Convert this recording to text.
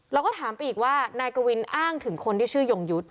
เราก็ถามไปอีกว่านายกวินอ้างถึงคนที่ชื่อยงยุทธ์